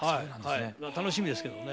楽しみですけどもね。